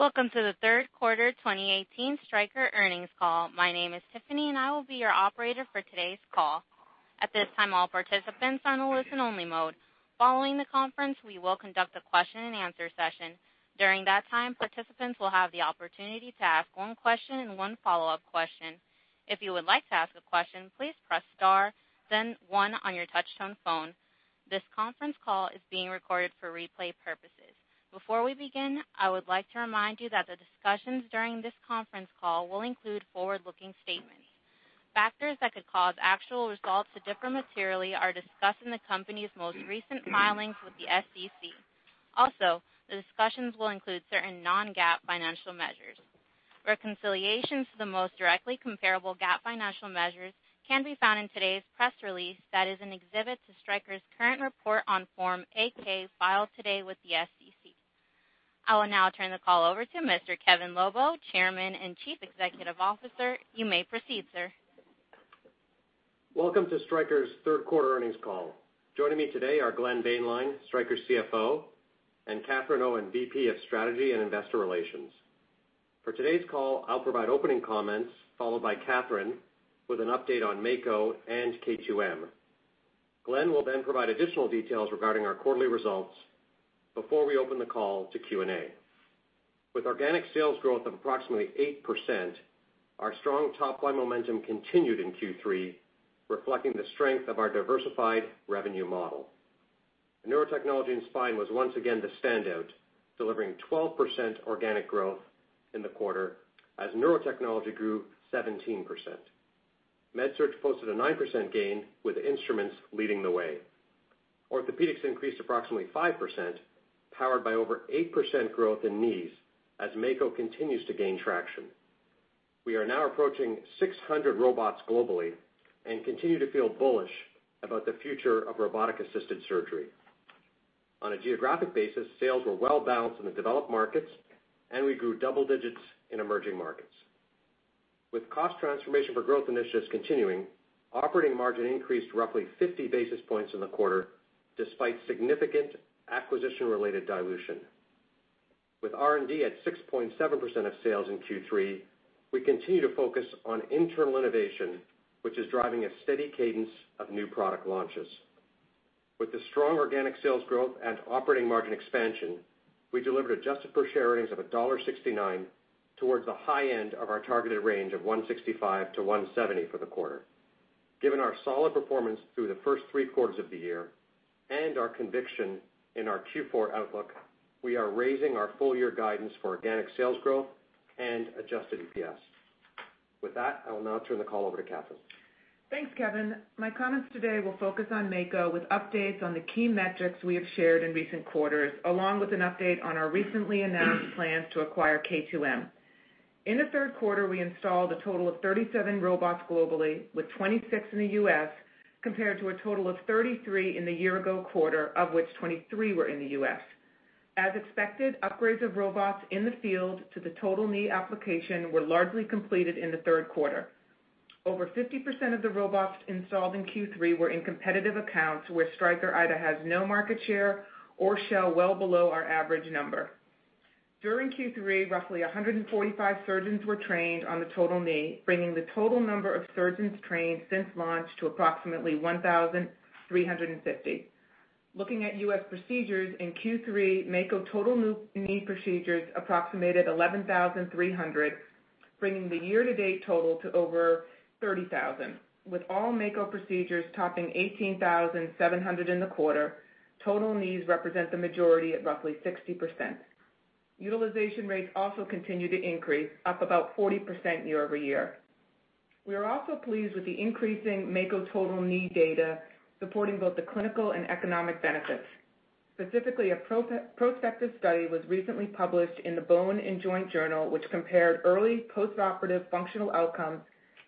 Welcome to the third quarter 2018 Stryker earnings call. My name is Tiffany, and I will be your operator for today's call. At this time, all participants are in listen-only mode. Following the conference, we will conduct a question-and-answer session. During that time, participants will have the opportunity to ask one question and one follow-up question. If you would like to ask a question, please press star, then one on your touchtone phone. This conference call is being recorded for replay purposes. Before we begin, I would like to remind you that the discussions during this conference call will include forward-looking statements. Factors that could cause actual results to differ materially are discussed in the company's most recent filings with the SEC. Also, the discussions will include certain non-GAAP financial measures. Reconciliations to the most directly comparable GAAP financial measures can be found in today's press release that is an exhibit to Stryker's current report on Form 8-K filed today with the SEC. I will now turn the call over to Mr. Kevin Lobo, Chairman and Chief Executive Officer. You may proceed, sir. Welcome to Stryker's third quarter earnings call. Joining me today are Glenn Boehnlein, Stryker's CFO, and Katherine Owen, VP of Strategy and Investor Relations. For today's call, I'll provide opening comments, followed by Katherine with an update on Mako and K2M. Glenn will provide additional details regarding our quarterly results before we open the call to Q&A. With organic sales growth of approximately 8%, our strong top-line momentum continued in Q3, reflecting the strength of our diversified revenue model. Neurotechnology and spine was once again the standout, delivering 12% organic growth in the quarter as Neurotechnology grew 17%. MedSurg posted a 9% gain with instruments leading the way. Orthopaedics increased approximately 5%, powered by over 8% growth in knees as Mako continues to gain traction. We are now approaching 600 robots globally and continue to feel bullish about the future of robotic-assisted surgery. On a geographic basis, sales were well balanced in the developed markets, we grew double digits in emerging markets. With cost transformation for growth initiatives continuing, operating margin increased roughly 50 basis points in the quarter despite significant acquisition-related dilution. With R&D at 6.7% of sales in Q3, we continue to focus on internal innovation, which is driving a steady cadence of new product launches. With the strong organic sales growth and operating margin expansion, we delivered adjusted per-share earnings of $1.69 towards the high end of our targeted range of $1.65 to $1.70 for the quarter. Given our solid performance through the first three quarters of the year and our conviction in our Q4 outlook, we are raising our full-year guidance for organic sales growth and adjusted EPS. With that, I will now turn the call over to Katherine. Thanks, Kevin. My comments today will focus on Mako with updates on the key metrics we have shared in recent quarters, along with an update on our recently announced plans to acquire K2M. In the third quarter, we installed a total of 37 robots globally, with 26 in the U.S., compared to a total of 33 in the year-ago quarter, of which 23 were in the U.S. As expected, upgrades of robots in the field to the Total Knee application were largely completed in the third quarter. Over 50% of the robots installed in Q3 were in competitive accounts where Stryker either has no market share or share well below our average number. During Q3, roughly 145 surgeons were trained on the Total Knee, bringing the total number of surgeons trained since launch to approximately 1,350. Looking at U.S. procedures in Q3, Mako Total Knee procedures approximated 11,300, bringing the year-to-date total to over 30,000. With all Mako procedures topping 18,700 in the quarter, Total Knees represent the majority at roughly 60%. Utilization rates also continue to increase, up about 40% year-over-year. We are also pleased with the increasing Mako Total Knee data supporting both the clinical and economic benefits. Specifically, a prospective study was recently published in The Bone & Joint Journal, which compared early postoperative functional outcomes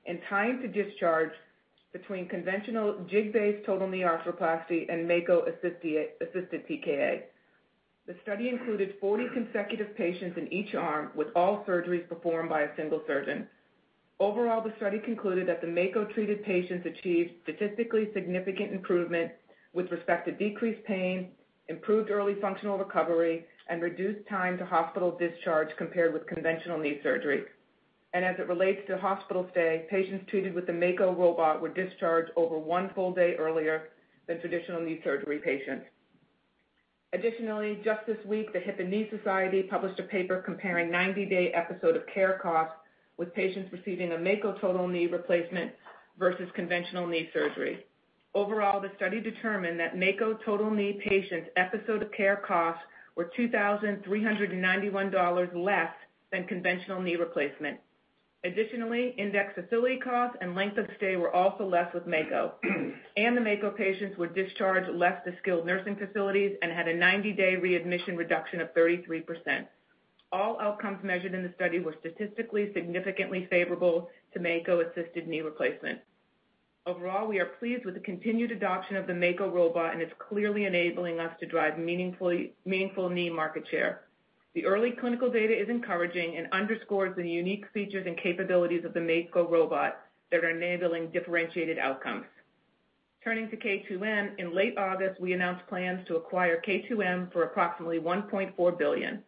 and time to discharge between conventional jig-based total knee arthroplasty and Mako-assisted TKA. The study included 40 consecutive patients in each arm, with all surgeries performed by a single surgeon. Overall, the study concluded that the Mako-treated patients achieved statistically significant improvement with respect to decreased pain, improved early functional recovery, and reduced time to hospital discharge compared with conventional knee surgery. As it relates to hospital stay, patients treated with the Mako robot were discharged over one full day earlier than traditional knee surgery patients. Additionally, just this week, the Hip and Knee Society published a paper comparing 90-day episode of care costs with patients receiving a Mako Total Knee Replacement versus conventional knee surgery. Overall, the study determined that Mako Total Knee patients' episode of care costs were $2,391 less than conventional knee replacement. Additionally, index facility costs and length of stay were also less with Mako, and the Mako patients were discharged less to skilled nursing facilities and had a 90-day readmission reduction of 33%. All outcomes measured in the study were statistically significantly favorable to Mako-assisted knee replacement. Overall, we are pleased with the continued adoption of the Mako robot, and it's clearly enabling us to drive meaningful knee market share. The early clinical data is encouraging and underscores the unique features and capabilities of the Mako robot that are enabling differentiated outcomes. Turning to K2M, in late August, we announced plans to acquire K2M for approximately $1.4 billion.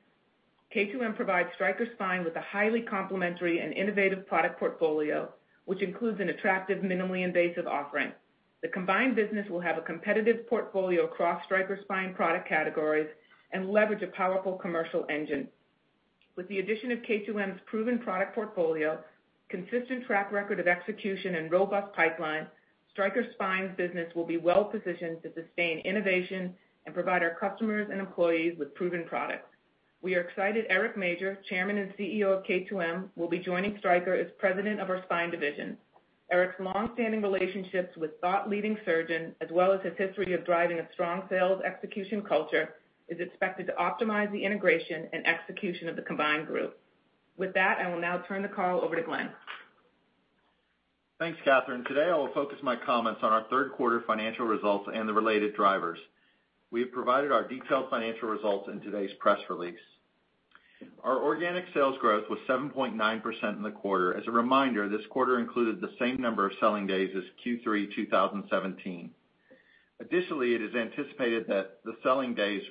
K2M provides Stryker Spine with a highly complementary and innovative product portfolio, which includes an attractive, minimally invasive offering. The combined business will have a competitive portfolio across Stryker Spine product categories and leverage a powerful commercial engine. With the addition of K2M's proven product portfolio, consistent track record of execution, and robust pipeline, Stryker Spine's business will be well-positioned to sustain innovation and provide our customers and employees with proven products. We are excited Eric Major, Chairman and CEO of K2M, will be joining Stryker as president of our spine division. Eric's longstanding relationships with thought-leading surgeons, as well as his history of driving a strong sales execution culture, is expected to optimize the integration and execution of the combined group. With that, I will now turn the call over to Glenn. Thanks, Katherine. Today, I will focus my comments on our third quarter financial results and the related drivers. We have provided our detailed financial results in today's press release. Our organic sales growth was 7.9% in the quarter. As a reminder, this quarter included the same number of selling days as Q3 2017. It is anticipated that the selling days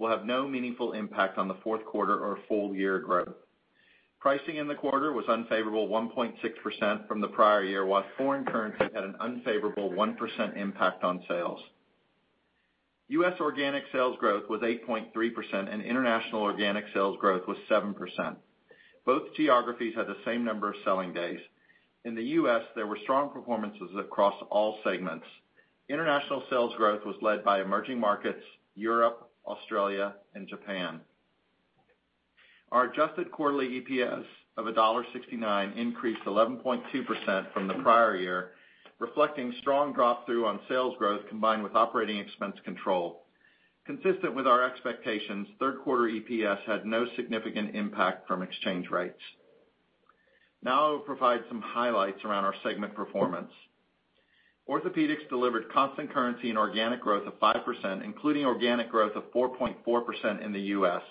will have no meaningful impact on the fourth quarter or full year growth. Pricing in the quarter was unfavorable, 1.6% from the prior year, while foreign currency had an unfavorable 1% impact on sales. U.S. organic sales growth was 8.3%, and international organic sales growth was 7%. Both geographies had the same number of selling days. In the U.S., there were strong performances across all segments. International sales growth was led by emerging markets, Europe, Australia, and Japan. Our adjusted quarterly EPS of $1.69 increased 11.2% from the prior year, reflecting strong drop through on sales growth combined with operating expense control. Consistent with our expectations, third quarter EPS had no significant impact from exchange rates. Now I'll provide some highlights around our segment performance. Orthopaedics delivered constant currency and organic growth of 5%, including organic growth of 4.4% in the U.S.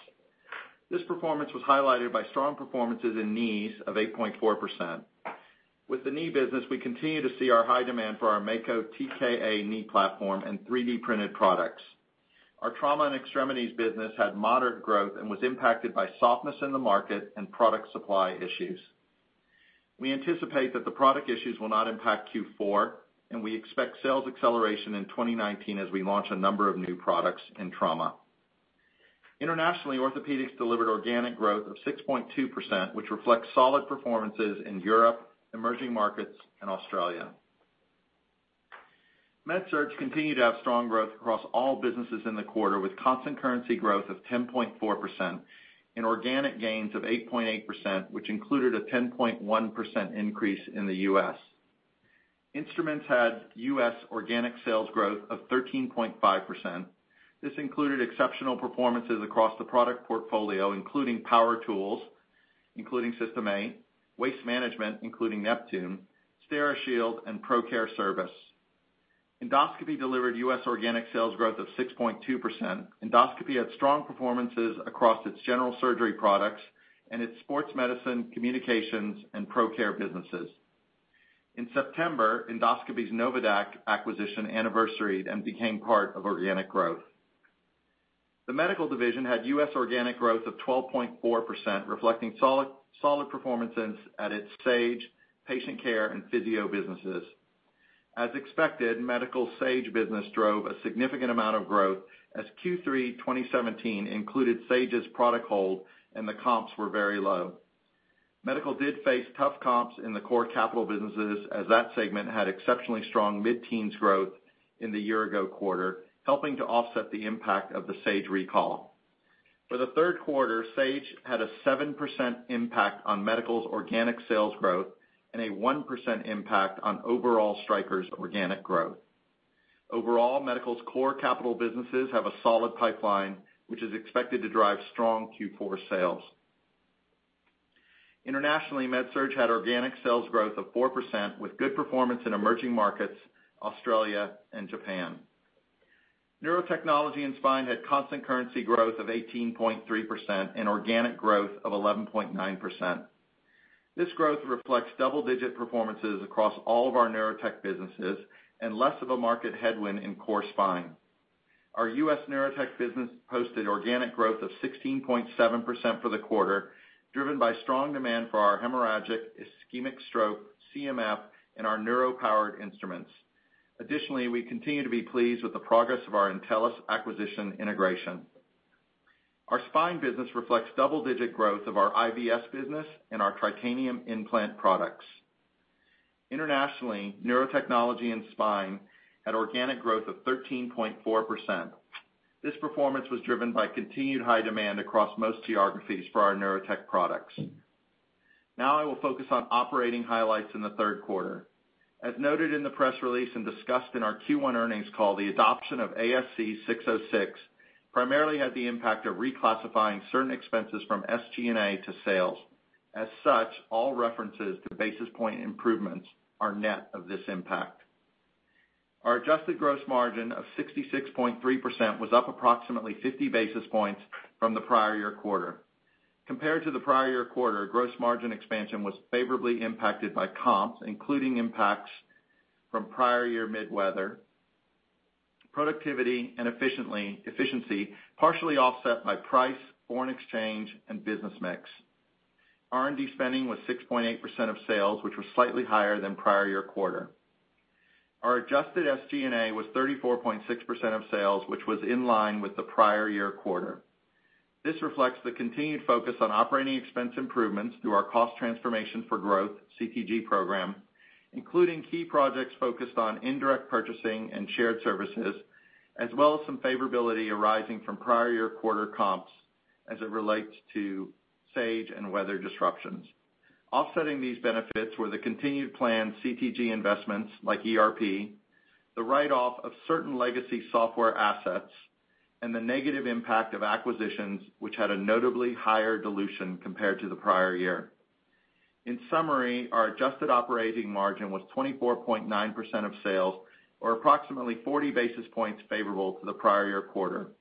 This performance was highlighted by strong performances in knees of 8.4%. With the knee business, we continue to see our high demand for our Mako TKA knee platform and 3D-printed products. Our trauma and extremities business had moderate growth and was impacted by softness in the market and product supply issues. We anticipate that the product issues will not impact Q4, and we expect sales acceleration in 2019 as we launch a number of new products in trauma. Internationally, Orthopaedics delivered organic growth of 6.2%, which reflects solid performances in Europe, emerging markets, and Australia. MedSurg continued to have strong growth across all businesses in the quarter, with constant currency growth of 10.4% and organic gains of 8.8%, which included a 10.1% increase in the U.S. Instruments had U.S. organic sales growth of 13.5%. This included exceptional performances across the product portfolio, including power tools, including System 8, waste management, including Neptune, Steri-Shield, and ProCare service. Endoscopy delivered U.S. organic sales growth of 6.2%. Endoscopy had strong performances across its general surgery products and its sports medicine, communications, and ProCare businesses. In September, Endoscopy's NOVADAQ acquisition anniversaried and became part of organic growth. The medical division had U.S. organic growth of 12.4%, reflecting solid performances at its Sage patient care and Physio-Control businesses. As expected, Medical's Sage business drove a significant amount of growth as Q3 2017 included Sage's product hold and the comps were very low. Medical did face tough comps in the core capital businesses as that segment had exceptionally strong mid-teens growth in the year-ago quarter, helping to offset the impact of the Sage recall. For the third quarter, Sage had a 7% impact on Medical's organic sales growth and a 1% impact on overall Stryker's organic growth. Overall, Medical's core capital businesses have a solid pipeline, which is expected to drive strong Q4 sales. Internationally, MedSurg had organic sales growth of 4% with good performance in emerging markets, Australia and Japan. Neurotechnology and spine had constant currency growth of 18.3% and organic growth of 11.9%. This growth reflects double-digit performances across all of our neurotech businesses and less of a market headwind in core spine. Our U.S. neurotech business posted organic growth of 16.7% for the quarter, driven by strong demand for our hemorrhagic ischemic stroke, CMF, and our neuro-powered instruments. Additionally, we continue to be pleased with the progress of our Entellus acquisition integration. Our spine business reflects double-digit growth of our IVS business and our Tritanium implant products. Internationally, Neurotechnology and spine had organic growth of 13.4%. This performance was driven by continued high demand across most geographies for our neurotech products. Now I will focus on operating highlights in the third quarter. As noted in the press release and discussed in our Q1 earnings call, the adoption of ASC 606 primarily had the impact of reclassifying certain expenses from SG&A to sales. As such, all references to basis point improvements are net of this impact. Our adjusted gross margin of 66.3% was up approximately 50 basis points from the prior year quarter. Compared to the prior year quarter, gross margin expansion was favorably impacted by comps, including impacts from prior year MedSurg. Productivity and efficiency, partially offset by price, foreign exchange, and business mix. R&D spending was 6.8% of sales, which was slightly higher than prior year quarter. Our adjusted SG&A was 34.6% of sales, which was in line with the prior year quarter. This reflects the continued focus on operating expense improvements through our Cost Transformation for Growth, CTG program, including key projects focused on indirect purchasing and shared services, as well as some favorability arising from prior year quarter comps as it relates to Sage and weather disruptions. Offsetting these benefits were the continued planned CTG investments like ERP, the write-off of certain legacy software assets, and the negative impact of acquisitions, which had a notably higher dilution compared to the prior year. In summary, our adjusted operating margin was 24.9% of sales or approximately 40 basis points favorable to the prior year quarter.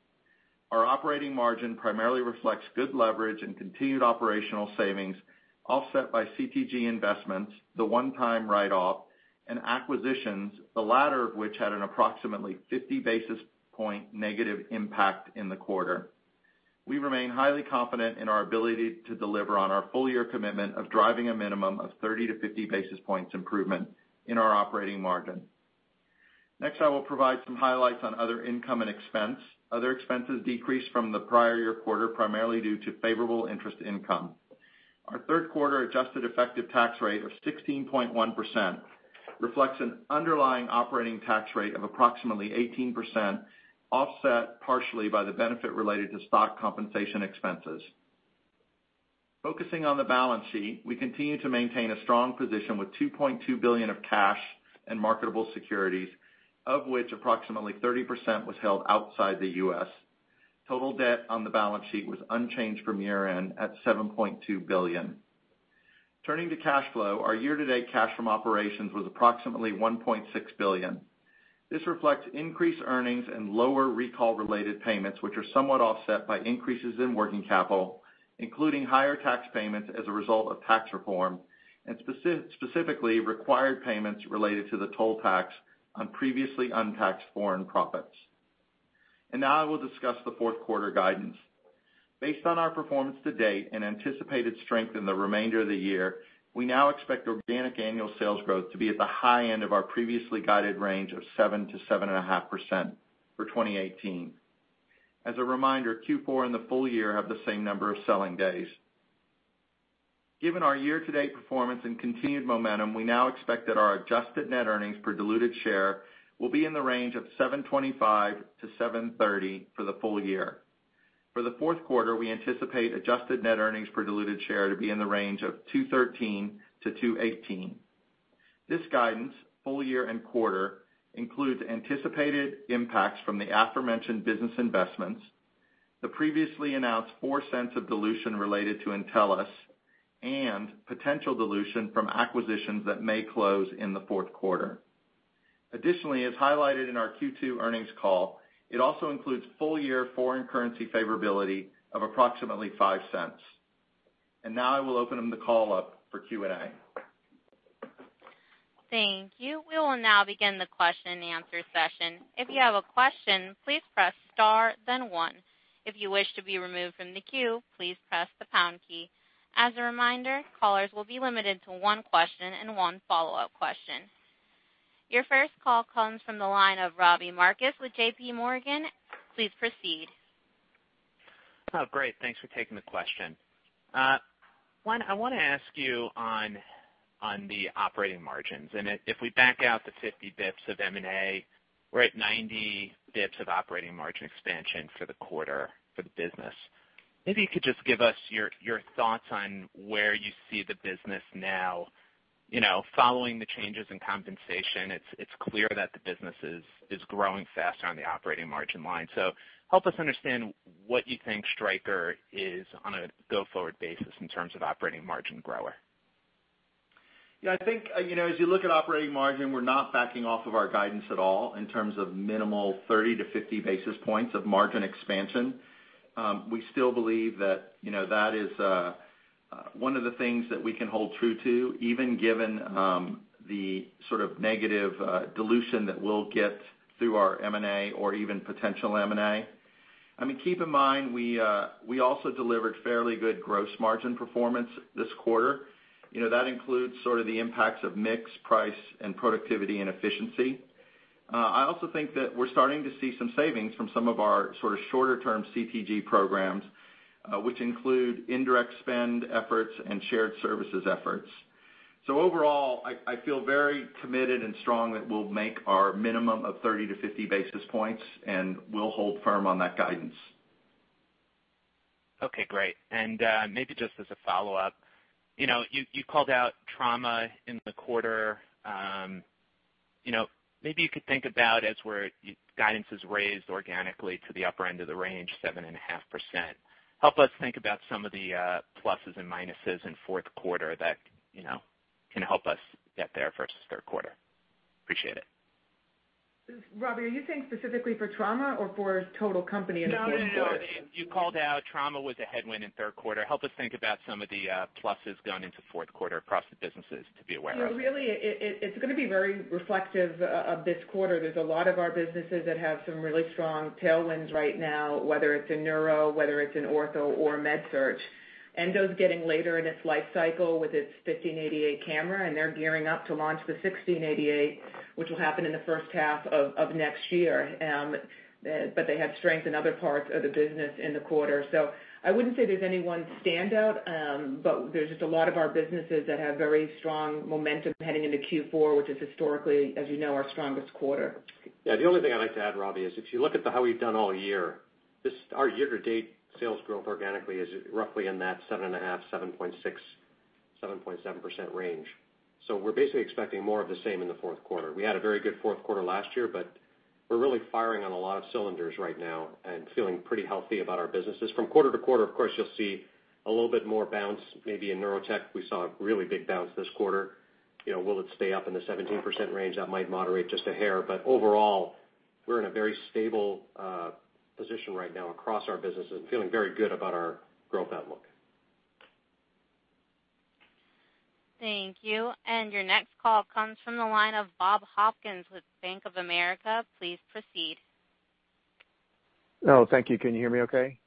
Our operating margin primarily reflects good leverage and continued operational savings, offset by CTG investments, the one-time write-off, and acquisitions, the latter of which had an approximately 50 basis point negative impact in the quarter. We remain highly confident in our ability to deliver on our full-year commitment of driving a minimum of 30 to 50 basis points improvement in our operating margin. Next, I will provide some highlights on other income and expense. Other expenses decreased from the prior year quarter, primarily due to favorable interest income. Our third quarter adjusted effective tax rate of 16.1% reflects an underlying operating tax rate of approximately 18%, offset partially by the benefit related to stock compensation expenses. Focusing on the balance sheet, we continue to maintain a strong position with $2.2 billion of cash and marketable securities, of which approximately 30% was held outside the U.S. Total debt on the balance sheet was unchanged from year-end at $7.2 billion. Turning to cash flow, our year-to-date cash from operations was approximately $1.6 billion. This reflects increased earnings and lower recall-related payments, which are somewhat offset by increases in working capital, including higher tax payments as a result of tax reform and specifically required payments related to the toll tax on previously untaxed foreign profits. Now I will discuss the fourth quarter guidance. Based on our performance to date and anticipated strength in the remainder of the year, we now expect organic annual sales growth to be at the high end of our previously guided range of 7%-7.5% for 2018. As a reminder, Q4 and the full year have the same number of selling days. Given our year-to-date performance and continued momentum, we now expect that our adjusted net earnings per diluted share will be in the range of $7.25-$7.30 for the full year. For the fourth quarter, we anticipate adjusted net earnings per diluted share to be in the range of $2.13-$2.18. This guidance, full year and quarter, includes anticipated impacts from the aforementioned business investments, the previously announced $0.04 of dilution related to Entellus, and potential dilution from acquisitions that may close in the fourth quarter. Additionally, as highlighted in our Q2 earnings call, it also includes full-year foreign currency favorability of approximately $0.05. Now I will open the call up for Q&A. Thank you. We will now begin the question and answer session. If you have a question, please press star, then one. If you wish to be removed from the queue, please press the pound key. As a reminder, callers will be limited to one question and one follow-up question. Your first call comes from the line of Robbie Marcus with J.P. Morgan. Please proceed. Oh, great. Thanks for taking the question. One, I want to ask you on the operating margins. If we back out the 50 basis points of M&A, we're at 90 basis points of operating margin expansion for the quarter for the business. Maybe you could just give us your thoughts on where you see the business now. Following the changes in compensation, it's clear that the business is growing faster on the operating margin line. Help us understand what you think Stryker is on a go-forward basis in terms of operating margin grower. Yeah, I think, as you look at operating margin, we're not backing off of our guidance at all in terms of minimal 30 to 50 basis points of margin expansion. We still believe that is one of the things that we can hold true to, even given the sort of negative dilution that we'll get through our M&A or even potential M&A. Keep in mind, we also delivered fairly good gross margin performance this quarter. That includes sort of the impacts of mix, price, and productivity and efficiency. I also think that we're starting to see some savings from some of our sort of shorter-term CTG programs, which include indirect spend efforts and shared services efforts. Overall, I feel very committed and strong that we'll make our minimum of 30 to 50 basis points, and we'll hold firm on that guidance. Okay, great. Maybe just as a follow-up. You called out trauma in the quarter. Maybe you could think about as where guidance is raised organically to the upper end of the range, 7.5%. Help us think about some of the pluses and minuses in fourth quarter that can help us get there versus third quarter. Appreciate it. Robbie, are you saying specifically for trauma or for total company in the fourth quarter? No. You called out trauma was a headwind in third quarter. Help us think about some of the pluses going into fourth quarter across the businesses to be aware of. Really, it's going to be very reflective of this quarter. There's a lot of our businesses that have some really strong tailwinds right now, whether it's in Neuro, whether it's in Ortho or MedSurg. Endo's getting later in its life cycle with its 1588 camera, and they're gearing up to launch the 1688, which will happen in the first half of next year. They had strength in other parts of the business in the quarter. I wouldn't say there's any one standout. There's just a lot of our businesses that have very strong momentum heading into Q4, which is historically, as you know, our strongest quarter. Yeah. The only thing I'd like to add, Robbie, is if you look at how we've done all year, our year-to-date sales growth organically is roughly in that 7.5%, 7.6%, 7.7% range. We're basically expecting more of the same in the fourth quarter. We had a very good fourth quarter last year, we're really firing on a lot of cylinders right now and feeling pretty healthy about our businesses. From quarter to quarter, of course, you'll see a little bit more bounce maybe in Neurotech. We saw a really big bounce this quarter. Will it stay up in the 17% range? That might moderate just a hair. Overall, we're in a very stable position right now across our businesses and feeling very good about our growth outlook. Thank you. Your next call comes from the line of Bob Hopkins with Bank of America. Please proceed. Oh, thank you. Can you hear me okay?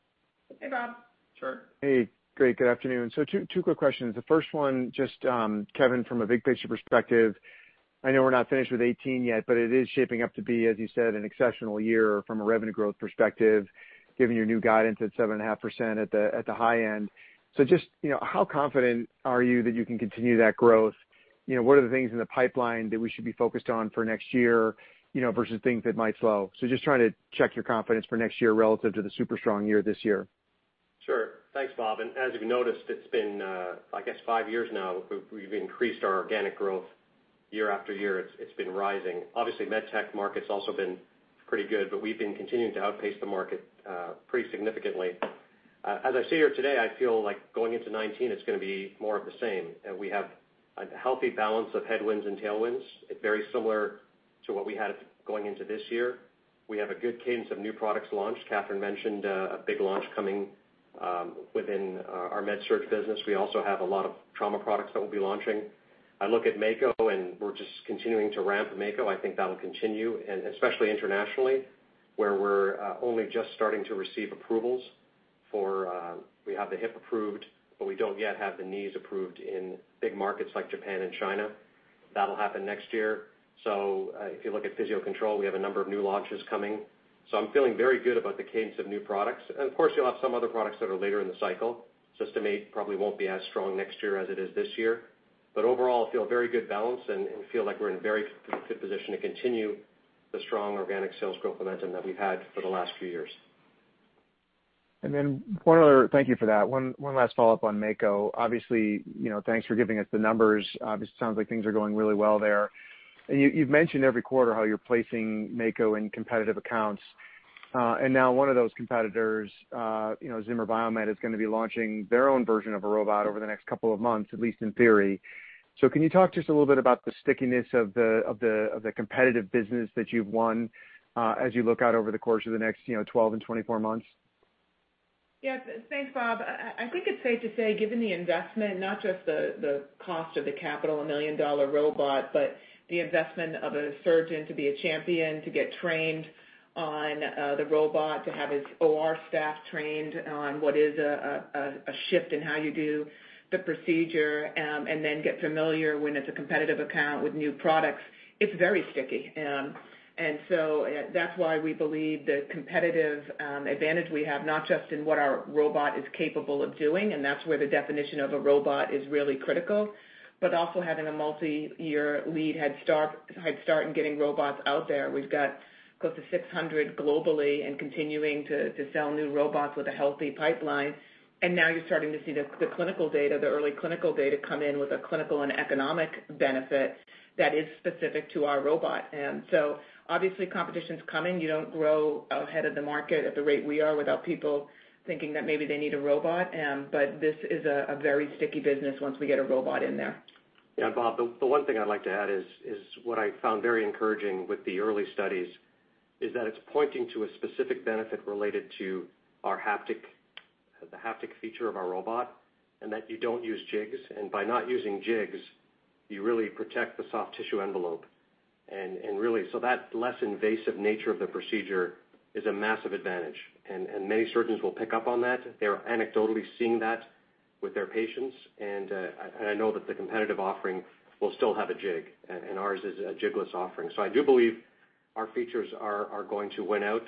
Hey, Bob. Sure. Hey, great. Good afternoon. Two quick questions. The first one, just, Kevin, from a big picture perspective, I know we're not finished with 2018 yet, but it is shaping up to be, as you said, an exceptional year from a revenue growth perspective, given your new guidance at 7.5% at the high end. Just how confident are you that you can continue that growth? What are the things in the pipeline that we should be focused on for next year versus things that might slow? Just trying to check your confidence for next year relative to the super strong year this year. Sure. Thanks, Bob, as you've noticed, it's been, I guess five years now, we've increased our organic growth year after year. It's been rising. Obviously, med tech market's also been pretty good, we've been continuing to outpace the market pretty significantly. As I sit here today, I feel like going into 2019, it's going to be more of the same. We have a healthy balance of headwinds and tailwinds. Very similar to what we had going into this year. We have a good cadence of new products launched. Katherine mentioned a big launch coming within our MedSurg business. We also have a lot of trauma products that we'll be launching. I look at Mako, we're just continuing to ramp Mako. I think that'll continue, especially internationally, where we're only just starting to receive approvals. We have the hip approved, but we don't yet have the knees approved in big markets like Japan and China. That'll happen next year. If you look at Physio-Control, we have a number of new launches coming. I'm feeling very good about the cadence of new products. Of course, you'll have some other products that are later in the cycle. System 8 probably won't be as strong next year as it is this year. Overall, I feel very good balance and feel like we're in a very good position to continue the strong organic sales growth momentum that we've had for the last few years. Thank you for that. One last follow-up on Mako. Obviously, thanks for giving us the numbers. Obviously, sounds like things are going really well there. You've mentioned every quarter how you're placing Mako in competitive accounts. Now one of those competitors, Zimmer Biomet, is going to be launching their own version of a robot over the next couple of months, at least in theory. Can you talk just a little bit about the stickiness of the competitive business that you've won as you look out over the course of the next 12 and 24 months? Thanks, Bob. I think it's safe to say, given the investment, not just the cost of the capital, a $1 million robot, but the investment of a surgeon to be a champion, to get trained on the robot, to have his OR staff trained on what is a shift in how you do the procedure, then get familiar when it's a competitive account with new products, it's very sticky. That's why we believe the competitive advantage we have, not just in what our robot is capable of doing, and that's where the definition of a robot is really critical, but also having a multi-year lead head start in getting robots out there. We've got close to 600 globally and continuing to sell new robots with a healthy pipeline. Now you're starting to see the early clinical data come in with a clinical and economic benefit that is specific to our robot. Obviously, competition's coming. You don't grow ahead of the market at the rate we are without people thinking that maybe they need a robot. This is a very sticky business once we get a robot in there. Yeah, Bob, the one thing I'd like to add is what I found very encouraging with the early studies is that it's pointing to a specific benefit related to the haptic feature of our robot, and that you don't use jigs. By not using jigs, you really protect the soft tissue envelope. Really, that less invasive nature of the procedure is a massive advantage, and many surgeons will pick up on that. They're anecdotally seeing that with their patients, and I know that the competitive offering will still have a jig, and ours is a jig-less offering. I do believe our features are going to win out,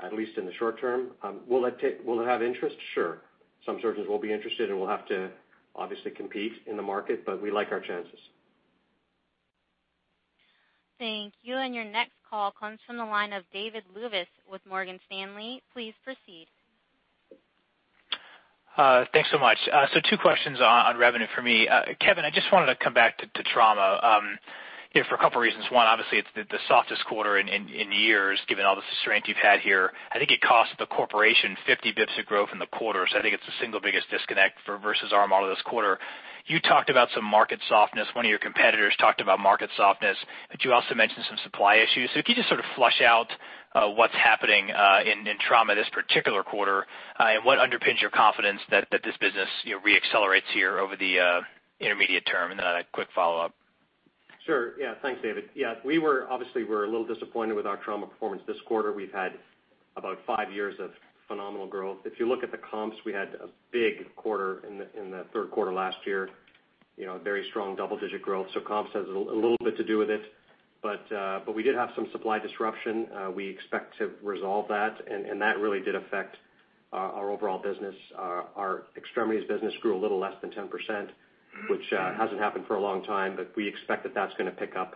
at least in the short term. Will it have interest? Sure. Some surgeons will be interested, and we'll have to obviously compete in the market, but we like our chances. Thank you. Your next call comes from the line of David Lewis with Morgan Stanley. Please proceed. Thanks so much. Two questions on revenue for me. Kevin, I just wanted to come back to trauma, for a couple reasons. One, obviously it's the softest quarter in years, given all the strength you've had here. I think it cost the corporation 50 basis points of growth in the quarter. I think it's the single biggest disconnect versus our model this quarter. You talked about some market softness. One of your competitors talked about market softness, but you also mentioned some supply issues. Can you just sort of flush out what is happening in trauma this particular quarter and what underpins your confidence that this business re-accelerates here over the intermediate term? I had a quick follow-up. Sure. Yeah, thanks, David. Yeah, we were obviously a little disappointed with our trauma performance this quarter. We've had about five years of phenomenal growth. If you look at the comps, we had a big quarter in the third quarter last year, very strong double-digit growth. Comps has a little bit to do with it. We did have some supply disruption. We expect to resolve that, and that really did affect our overall business. Our extremities business grew a little less than 10%, which hasn't happened for a long time, but we expect that that's going to pick up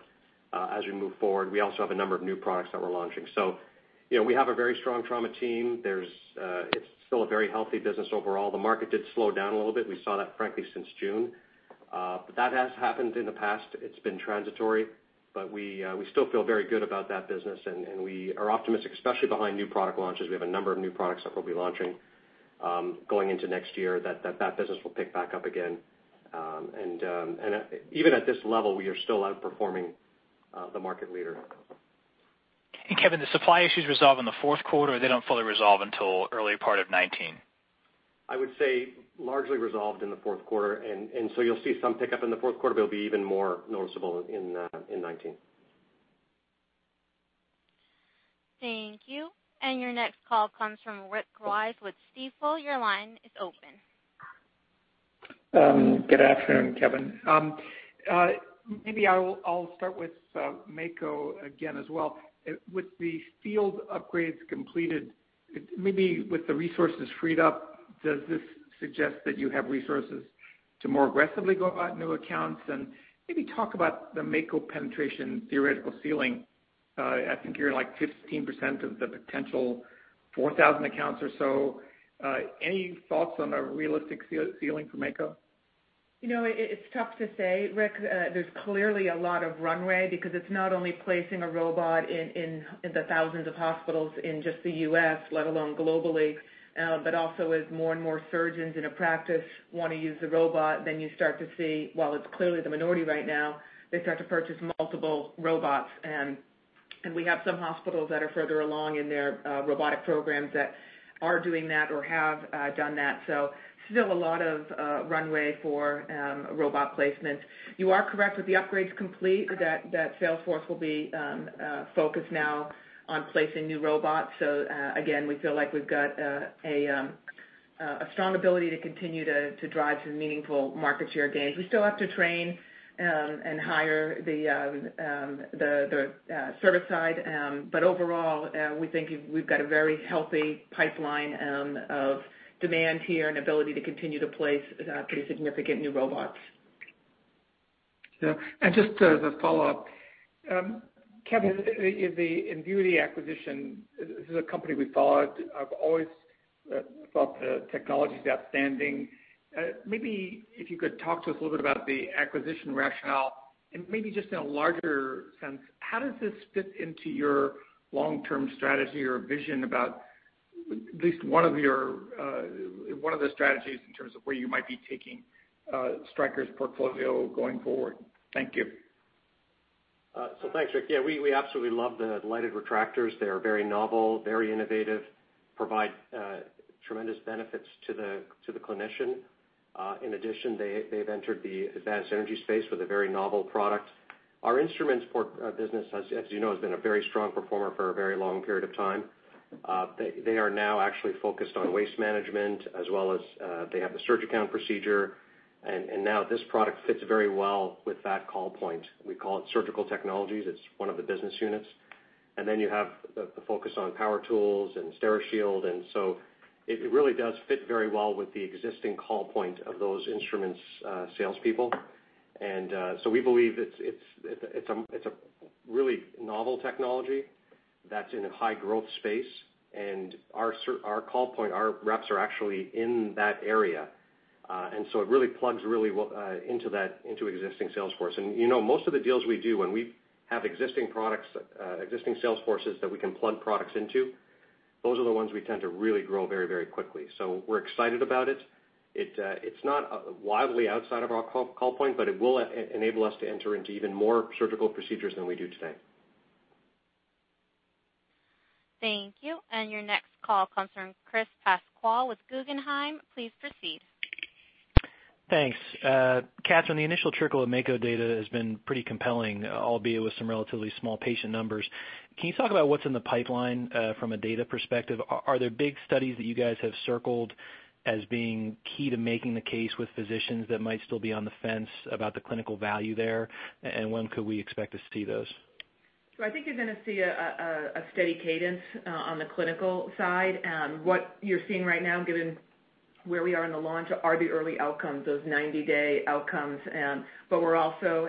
as we move forward. We also have a number of new products that we're launching. We have a very strong trauma team. It's still a very healthy business overall. The market did slow down a little bit. We saw that frankly since June. That has happened in the past. It's been transitory, but we still feel very good about that business and we are optimistic, especially behind new product launches, we have a number of new products that we'll be launching going into next year, that that business will pick back up again. Even at this level, we are still outperforming the market leader. Kevin, the supply issues resolve in the fourth quarter, or they don't fully resolve until the early part of 2019? I would say largely resolved in the fourth quarter. You'll see some pickup in the fourth quarter, but it'll be even more noticeable in 2019. Thank you. Your next call comes from Rick Wise with Stifel. Your line is open. Good afternoon, Kevin. Maybe I'll start with Mako again as well. With the field upgrades completed, maybe with the resources freed up, does this suggest that you have resources to more aggressively go about new accounts? Maybe talk about the Mako penetration theoretical ceiling. I think you're like 15% of the potential 4,000 accounts or so. Any thoughts on a realistic ceiling for Mako? It's tough to say, Rick. There's clearly a lot of runway because it's not only placing a robot in the thousands of hospitals in just the U.S., let alone globally, but also as more and more surgeons in a practice want to use the robot, then you start to see, while it's clearly the minority right now, they start to purchase multiple robots. We have some hospitals that are further along in their robotic programs that are doing that or have done that. Still a lot of runway for robot placement. You are correct, with the upgrades complete that sales force will be focused now on placing new robots. Again, we feel like we've got a strong ability to continue to drive some meaningful market share gains. We still have to train and hire the service side. Overall, we think we've got a very healthy pipeline of demand here and ability to continue to place pretty significant new robots. Yeah. Just as a follow-up. Kevin, the Invuity acquisition, this is a company we followed. I've always thought the technology's outstanding. Maybe if you could talk to us a little bit about the acquisition rationale and maybe just in a larger sense, how does this fit into your long-term strategy or vision about at least one of the strategies in terms of where you might be taking Stryker's portfolio going forward? Thank you. Thanks, Rick. Yeah, we absolutely love the lighted retractors. They are very novel, very innovative, provide tremendous benefits to the clinician. In addition, they've entered the advanced energy space with a very novel product. Our instruments business, as you know, has been a very strong performer for a very long period of time. They are now actually focused on waste management as well as they have the SurgiCount procedure, and now this product fits very well with that call point. We call it Surgical Technologies. It's one of the business units. Then you have the focus on power tools and Steri-Shield. It really does fit very well with the existing call point of those instruments salespeople. We believe it's a really novel technology that's in a high-growth space, and our call point, our reps are actually in that area. It really plugs really well into existing sales force. Most of the deals we do when we have existing sales forces that we can plug products into, those are the ones we tend to really grow very, very quickly. We're excited about it. It's not wildly outside of our call point, but it will enable us to enter into even more surgical procedures than we do today. Thank you. Your next call comes from Chris Pasquale with Guggenheim. Please proceed. Thanks. Kat, the initial trickle of Mako data has been pretty compelling, albeit with some relatively small patient numbers. Can you talk about what's in the pipeline from a data perspective? Are there big studies that you guys have circled as being key to making the case with physicians that might still be on the fence about the clinical value there? When could we expect to see those? I think you're going to see a steady cadence on the clinical side. What you're seeing right now, given where we are in the launch, are the early outcomes, those 90-day outcomes. We're also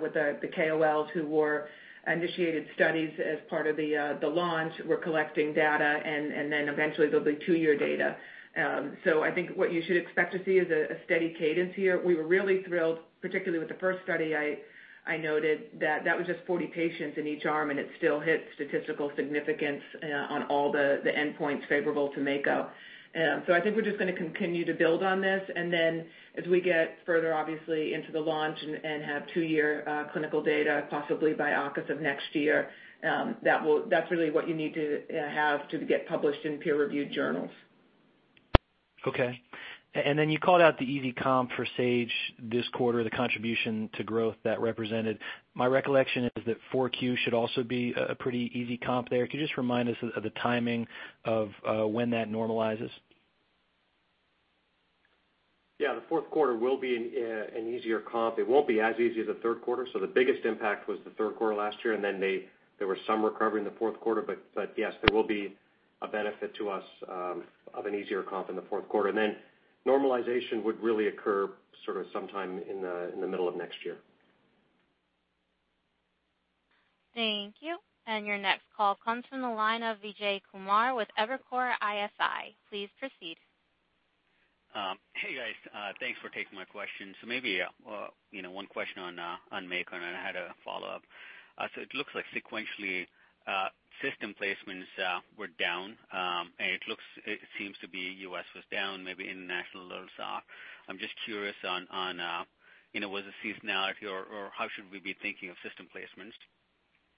with the KOLs who were initiated studies as part of the launch. We're collecting data, eventually there'll be two-year data. I think what you should expect to see is a steady cadence here. We were really thrilled, particularly with the first study I noted, that was just 40 patients in each arm, and it still hit statistical significance on all the endpoints favorable to Mako. I think we're just going to continue to build on this, as we get further, obviously, into the launch and have two-year clinical data, possibly by August of next year, that's really what you need to have to get published in peer-reviewed journals. Okay. You called out the easy comp for Sage this quarter, the contribution to growth that represented. My recollection is that 4Q should also be a pretty easy comp there. Could you just remind us of the timing of when that normalizes? Yeah. The fourth quarter will be an easier comp. It won't be as easy as the third quarter. The biggest impact was the third quarter last year, there was some recovery in the fourth quarter. Yes, there will be a benefit to us of an easier comp in the fourth quarter. Normalization would really occur sort of sometime in the middle of next year. Thank you. Your next call comes from the line of Vijay Kumar with Evercore ISI. Please proceed. Hey, guys. Thanks for taking my questions. Maybe one question on Mako, I had a follow-up. It looks like sequentially, system placements were down, and it seems to be U.S. was down, maybe international a little soft. I'm just curious on, was it seasonality, or how should we be thinking of system placements?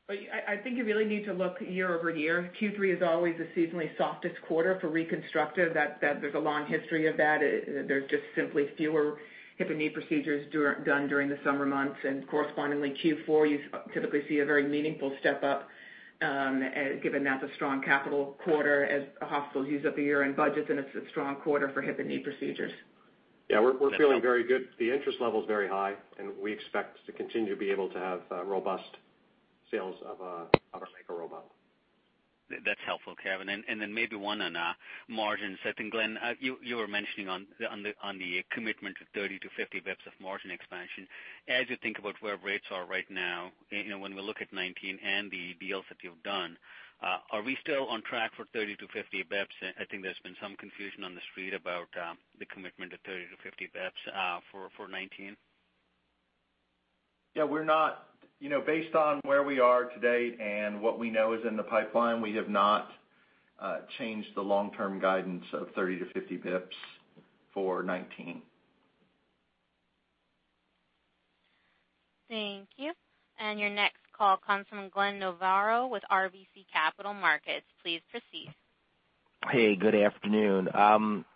I think you really need to look year-over-year. Q3 is always the seasonally softest quarter for reconstructive. There's a long history of that. There's just simply fewer hip and knee procedures done during the summer months, correspondingly Q4, you typically see a very meaningful step-up, given that's a strong capital quarter as hospitals use up their year-end budgets, and it's a strong quarter for hip and knee procedures. Yeah. We're feeling very good. The interest level's very high, we expect to continue to be able to have robust sales of our Mako robot. That's helpful, Kevin. Then maybe one on margins. I think, Glenn, you were mentioning on the commitment to 30 to 50 bps of margin expansion. As you think about where rates are right now, when we look at 2019 and the deals that you've done, are we still on track for 30 to 50 bps? I think there's been some confusion on the Street about the commitment to 30 to 50 bps for 2019. Yeah. Based on where we are to date and what we know is in the pipeline, we have not changed the long-term guidance of 30 to 50 basis points for 2019. Thank you. Your next call comes from Glenn Novarro with RBC Capital Markets. Please proceed. Hey, good afternoon.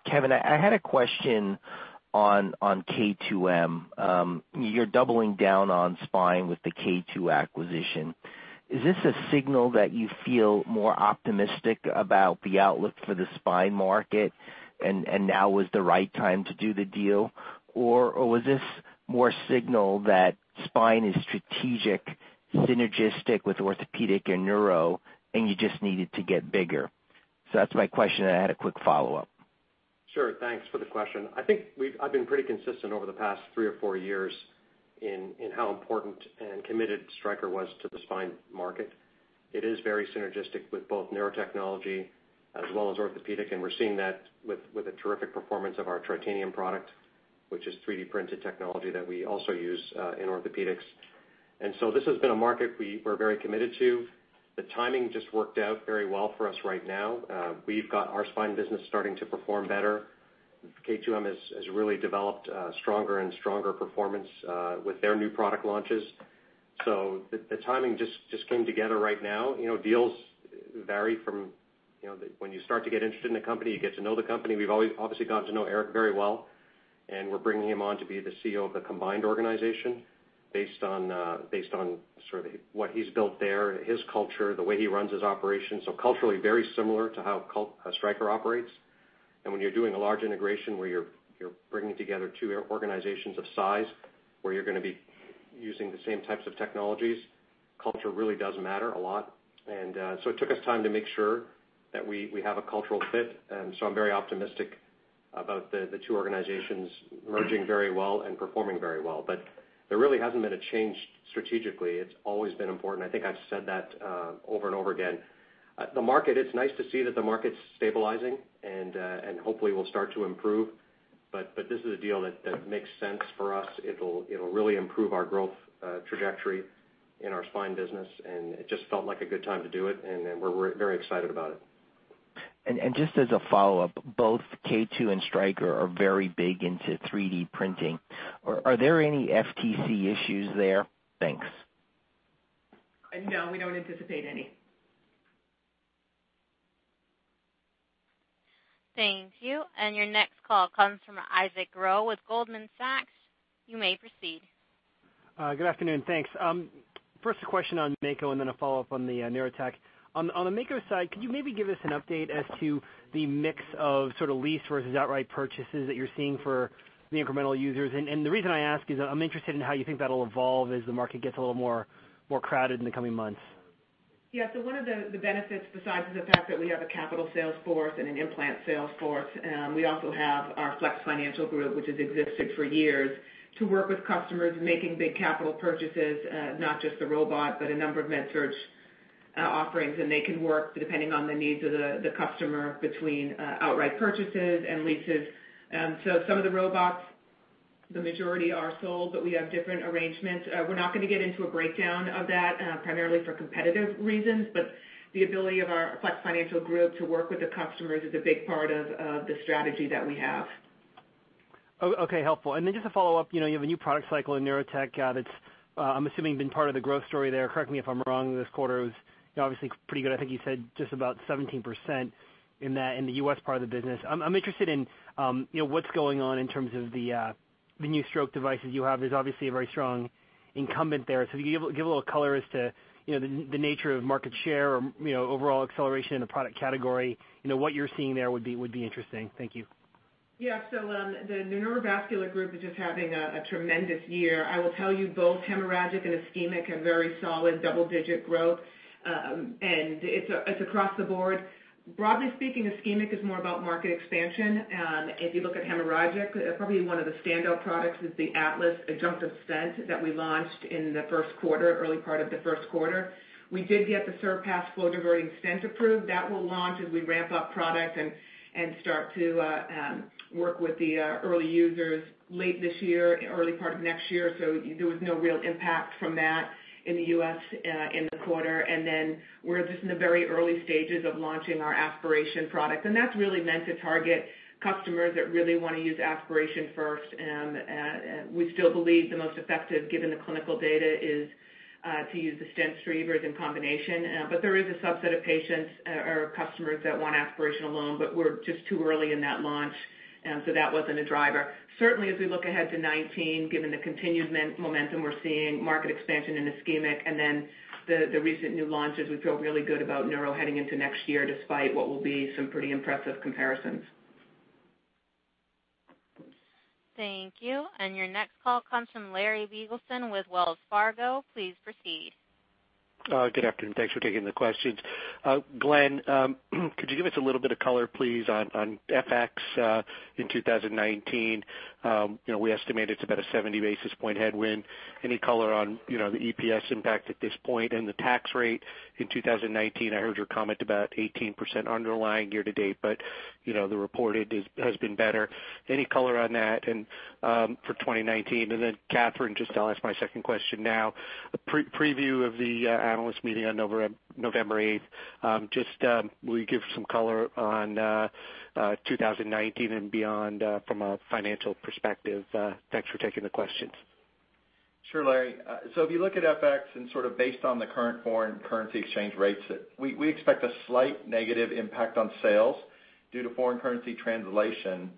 Kevin, I had a question on K2M. You're doubling down on spine with the K2 acquisition. Is this a signal that you feel more optimistic about the outlook for the spine market, and now was the right time to do the deal? Or was this more signal that spine is strategic, synergistic with orthopedic and neuro, and you just needed to get bigger? That's my question. I had a quick follow-up. Sure. Thanks for the question. I think I've been pretty consistent over the past three or four years in how important and committed Stryker was to the spine market. It is very synergistic with both Neurotechnology as well as orthopedic, and we're seeing that with the terrific performance of our Tritanium product, which is 3D-printed technology that we also use in orthopedics. This has been a market we're very committed to. The timing just worked out very well for us right now. We've got our spine business starting to perform better. K2M has really developed a stronger and stronger performance with their new product launches. The timing just came together right now. Deals vary from when you start to get interested in a company, you get to know the company. We've obviously gotten to know Eric very well, and we're bringing him on to be the CEO of the combined organization based on sort of what he's built there, his culture, the way he runs his operations. Culturally very similar to how Stryker operates. When you're doing a large integration where you're bringing together two organizations of size, where you're going to be using the same types of technologies, culture really does matter a lot. It took us time to make sure that we have a cultural fit. I'm very optimistic about the two organizations merging very well and performing very well. There really hasn't been a change strategically. It's always been important. I think I've said that over and over again. The market, it's nice to see that the market's stabilizing, and hopefully will start to improve. This is a deal that makes sense for us. It'll really improve our growth trajectory in our spine business, and it just felt like a good time to do it, and we're very excited about it. Just as a follow-up, both K2 and Stryker are very big into 3D printing. Are there any FTC issues there? Thanks. No, we don't anticipate any. Thank you. Your next call comes from Isaac Ro with Goldman Sachs. You may proceed. Good afternoon. Thanks. First a question on Mako and then a follow-up on the Neurotechnology. On the Mako side, could you maybe give us an update as to the mix of sort of lease versus outright purchases that you're seeing for the incremental users? The reason I ask is I'm interested in how you think that'll evolve as the market gets a little more crowded in the coming months. Yeah. One of the benefits, besides the fact that we have a capital sales force and an implant sales force, we also have our Flex Financial group, which has existed for years, to work with customers making big capital purchases. Not just the robot, but a number of MedSurg offerings. They can work depending on the needs of the customer between outright purchases and leases. Some of the robots, the majority are sold, but we have different arrangements. We're not going to get into a breakdown of that, primarily for competitive reasons, but the ability of our Flex Financial group to work with the customers is a big part of the strategy that we have. Okay, helpful. Just a follow-up. You have a new product cycle in Neurotechnology that's, I'm assuming, been part of the growth story there. Correct me if I'm wrong. This quarter was obviously pretty good. I think you said just about 17% in the U.S. part of the business. I'm interested in what's going on in terms of the new stroke devices you have. There's obviously a very strong incumbent there. If you can give a little color as to the nature of market share or overall acceleration in the product category, what you're seeing there would be interesting. Thank you. Yeah. The neurovascular group is just having a tremendous year. I will tell you, both hemorrhagic and ischemic have very solid double-digit growth, and it's across the board. Broadly speaking, ischemic is more about market expansion. If you look at hemorrhagic, probably one of the standout products is the Atlas adjunctive stent that we launched in the first quarter, early part of the first quarter. We did get the Surpass flow-diverting stent approved. That will launch as we ramp up product and start to work with the early users late this year, early part of next year. There was no real impact from that in the U.S. in the quarter. Then we're just in the very early stages of launching our aspiration product, and that's really meant to target customers that really want to use aspiration first. We still believe the most effective, given the clinical data, is to use the stent retrievers in combination. But there is a subset of patients or customers that want aspiration alone, but we're just too early in that launch, so that wasn't a driver. Certainly, as we look ahead to 2019, given the continued momentum we're seeing, market expansion and ischemic, and then the recent new launches, we feel really good about neuro heading into next year, despite what will be some pretty impressive comparisons. Thank you. Your next call comes from Larry Biegelsen with Wells Fargo. Please proceed. Good afternoon. Thanks for taking the questions. Glenn, could you give us a little bit of color, please, on FX in 2019? We estimate it's about a 70 basis points headwind. Any color on the EPS impact at this point and the tax rate in 2019? I heard your comment about 18% underlying year to date, but the reported has been better. Any color on that and for 2019? Then Katherine, just I'll ask my second question now. A preview of the analyst meeting on November 8th. Just will you give some color on 2019 and beyond from a financial perspective? Thanks for taking the questions. Sure, Larry. If you look at FX and sort of based on the current foreign currency exchange rates, we expect a slight negative impact on sales due to foreign currency translation,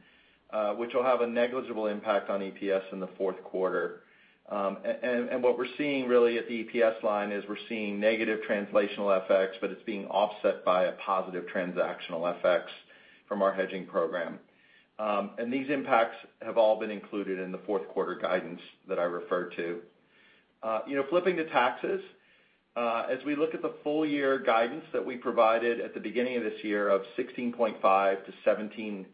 which will have a negligible impact on EPS in the fourth quarter. What we're seeing really at the EPS line is we're seeing negative translational FX, but it's being offset by a positive transactional FX from our hedging program. These impacts have all been included in the fourth quarter guidance that I referred to. Flipping to taxes, as we look at the full year guidance that we provided at the beginning of this year of 16.5%-17.5%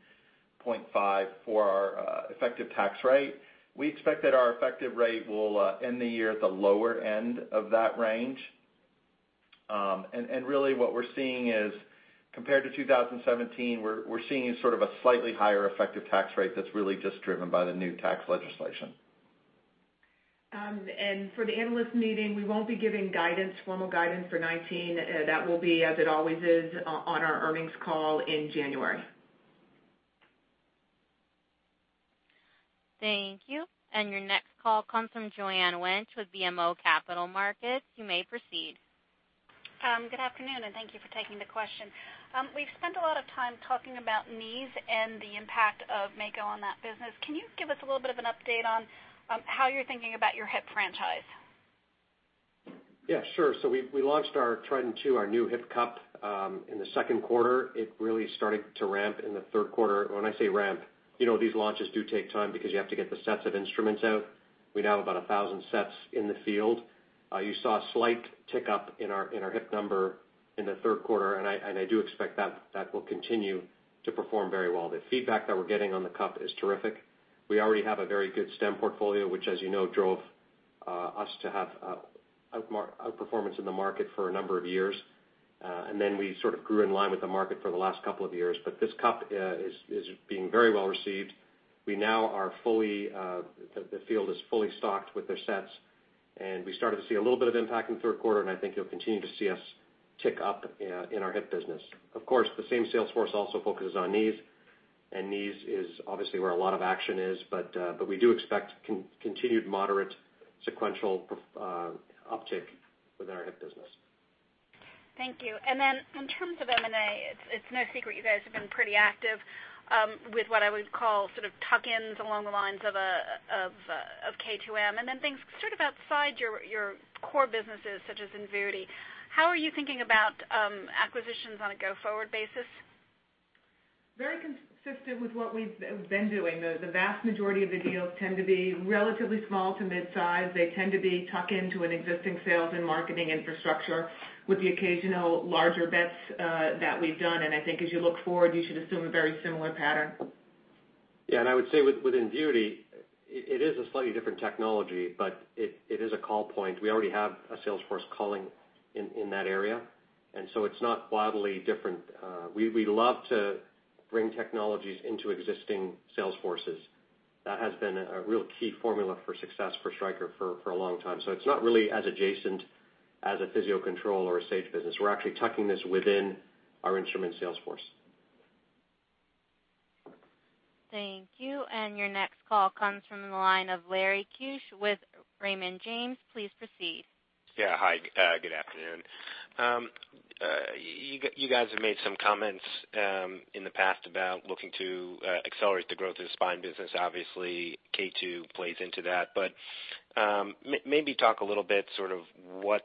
for our effective tax rate, we expect that our effective rate will end the year at the lower end of that range. Really what we're seeing is, compared to 2017, we're seeing sort of a slightly higher effective tax rate that's really just driven by the new tax legislation. For the analyst meeting, we won't be giving formal guidance for 2019. That will be, as it always is, on our earnings call in January. Thank you. Your next call comes from Joanne Wuensch with BMO Capital Markets. You may proceed. Good afternoon, and thank you for taking the question. We've spent a lot of time talking about knees and the impact of Mako on that business. Can you give us a little bit of an update on how you're thinking about your hip franchise? Yeah, sure. We launched our Trident II, our new hip cup, in the second quarter. It really started to ramp in the third quarter. When I say ramp, these launches do take time because you have to get the sets of instruments out. We now have about 1,000 sets in the field. You saw a slight tick up in our hip number in the third quarter. I do expect that will continue to perform very well. The feedback that we're getting on the cup is terrific. We already have a very good stem portfolio, which, as you know, drove us to have outperformance in the market for a number of years. We sort of grew in line with the market for the last couple of years. This cup is being very well received. The field is fully stocked with their sets. We started to see a little bit of impact in the third quarter, and I think you'll continue to see us tick up in our hip business. Of course, the same sales force also focuses on knees, and knees is obviously where a lot of action is. We do expect continued moderate sequential uptick within our hip business. Thank you. In terms of M&A, it's no secret you guys have been pretty active with what I would call sort of tuck-ins along the lines of K2M, and then things sort of outside your core businesses such as Invuity. How are you thinking about acquisitions on a go-forward basis? Very consistent with what we've been doing. The vast majority of the deals tend to be relatively small to mid-size. They tend to tuck into an existing sales and marketing infrastructure with the occasional larger bets that we've done. I think as you look forward, you should assume a very similar pattern. I would say within Invuity, it is a slightly different technology, but it is a call point. We already have a sales force calling in that area, it's not wildly different. We love to bring technologies into existing sales forces. That has been a real key formula for success for Stryker for a long time. It's not really as adjacent as a Physio-Control or a Sage business. We're actually tucking this within our instrument sales force. Thank you. Your next call comes from the line of Larry Keusch with Raymond James. Please proceed. Hi. Good afternoon. You guys have made some comments in the past about looking to accelerate the growth of the spine business. K2 plays into that, maybe talk a little bit sort of what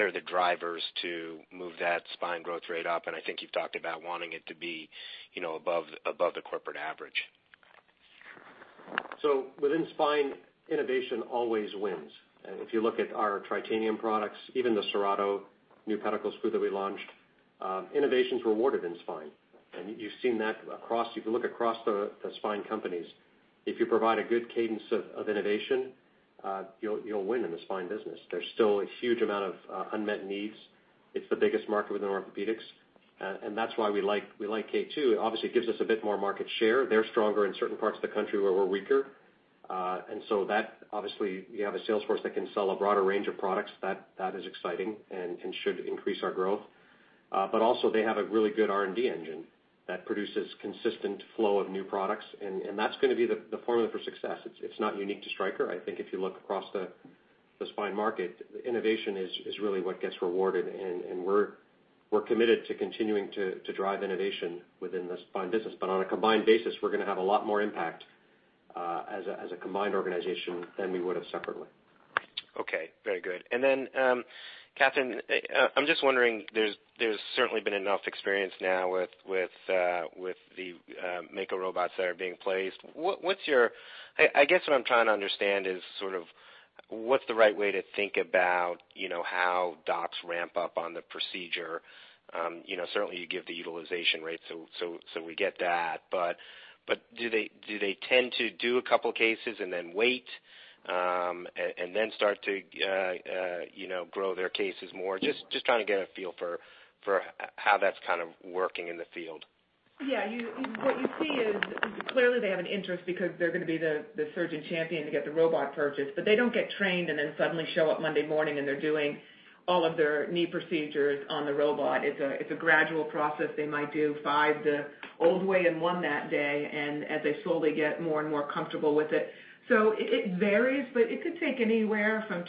are the drivers to move that spine growth rate up, I think you've talked about wanting it to be above the corporate average. Within spine, innovation always wins. If you look at our Tritanium products, even the Serrato new pedicle screw that we launched, innovation's rewarded in spine. You've seen that if you look across the spine companies. If you provide a good cadence of innovation, you'll win in the spine business. There's still a huge amount of unmet needs. It's the biggest market within Orthopaedics, and that's why we like K2. It obviously gives us a bit more market share. They're stronger in certain parts of the country where we're weaker. That obviously you have a sales force that can sell a broader range of products that is exciting and should increase our growth. Also they have a really good R&D engine that produces consistent flow of new products, and that's going to be the formula for success. It's not unique to Stryker. I think if you look across the spine market, innovation is really what gets rewarded, we're committed to continuing to drive innovation within the spine business. On a combined basis, we're going to have a lot more impact as a combined organization than we would have separately. Okay. Very good. Katherine, I'm just wondering, there's certainly been enough experience now with the Mako robots that are being placed. I guess what I'm trying to understand is sort of what's the right way to think about how docs ramp up on the procedure. Certainly, you give the utilization rate, so we get that. Do they tend to do a couple of cases and then wait, and then start to grow their cases more? Just trying to get a feel for how that's kind of working in the field. Yeah. What you see is clearly they have an interest because they're going to be the surgeon champion to get the robot purchased. They don't get trained and then suddenly show up Monday morning, and they're doing all of their knee procedures on the robot. It's a gradual process. They might do five the old way and one that day and as they slowly get more and more comfortable with it. It varies, but it could take anywhere from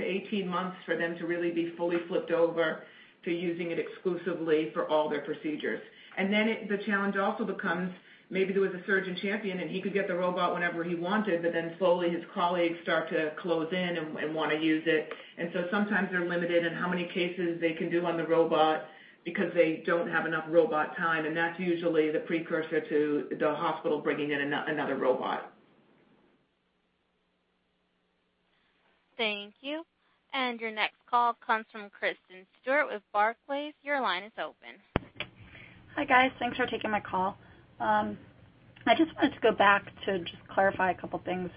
12-18 months for them to really be fully flipped over to using it exclusively for all their procedures. The challenge also becomes, maybe there was a surgeon champion, and he could get the robot whenever he wanted, slowly his colleagues start to close in and want to use it. Sometimes they're limited in how many cases they can do on the robot because they don't have enough robot time, and that's usually the precursor to the hospital bringing in another robot. Thank you. Your next call comes from Kristen Stewart with Barclays. Your line is open. Hi, guys. Thanks for taking my call. I just wanted to go back to just clarify a couple things.